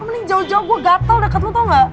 mending jauh jauh gua gatel deket lo tau gak